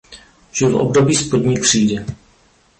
Žil v období spodní křídy.